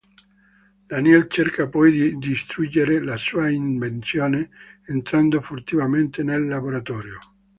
Daniel cerca poi di distruggere la sua invenzione entrando furtivamente nel laboratorio.